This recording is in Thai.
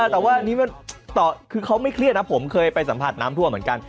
แต่ว่าอันนี้คือเขาไม่เครียดนะผมเคยไปสัมผัสน้ำทั่วเหมือนกัน